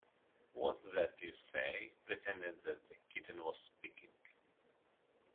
‘What’s that you say?’ - pretending that the kitten was speaking.